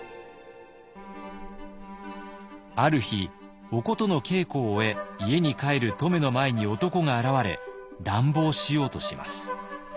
ある日お琴の稽古を終え家に帰る乙女の前に男が現れ乱暴しようとします。